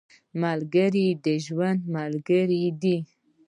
ملګری د ژوند ملګری دی